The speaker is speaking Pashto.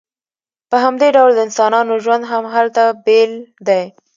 په همدې ډول د انسانانو ژوند هم هلته بیل دی